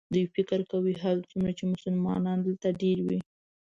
دوی فکر کوي هرڅومره چې مسلمانان دلته ډېر وي.